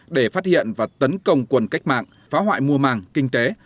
để phát hiện và tấn công quần cách mạng phá hoại mùa màng kinh tế